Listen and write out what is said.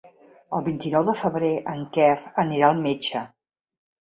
El vint-i-nou de febrer en Quer anirà al metge.